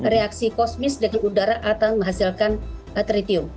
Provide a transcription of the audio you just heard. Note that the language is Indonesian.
reaksi kosmis dengan udara akan menghasilkan tritium